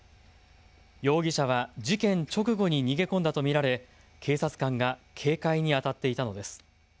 容疑者は事件直後に逃げ込んだと見られ警察官が警戒に当たっていたのです。